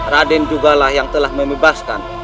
raden juga lah yang telah membebaskan